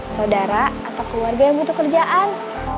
saudara atau keluarga yang butuh kerjaan